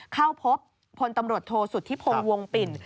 เข้าพบพลตำรวจโทษสุธิพงศ์วงปิ่น